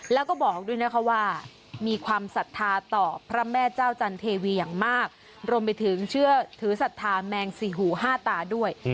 แล้วก็บอกด้วยนะคะว่ามีความศรัทธาต่อพระแม่เจ้าจันเทวีอย่างมากรวมไปถึงเชื่อถือศรัทธาแมงสี่หูห้าตาด้วย